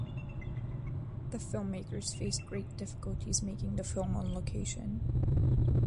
The filmmakers faced great difficulties making the film on location.